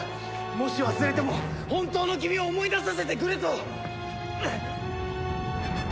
もし忘れても本当の君を思い出させてくれと！